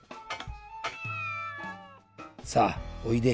さあおいで。